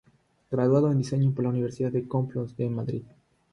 Graduado en Diseño por la Universidad Complutense de Madrid.